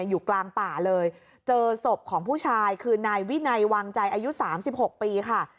อยู่กลางป่าเลยเจอศพของผู้ชายคือนายวินัยวางใจอายุ๓๖ปีค่ะ